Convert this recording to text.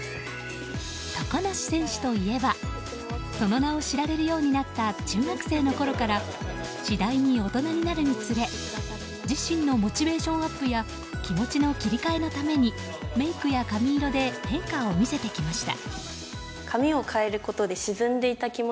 高梨選手といえばその名を知られるようになった中学生のころから次第に大人になるにつれ自身のモチベーションアップや気持ちの切り替えのためにメイクや髪色で変化を見せてきました。